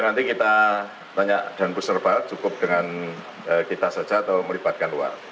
nanti kita tanya dan berserva cukup dengan kita saja atau melibatkan luar